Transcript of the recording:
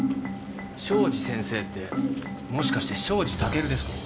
庄司先生ってもしかして庄司タケルですか？